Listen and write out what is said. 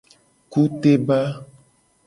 Kuteba.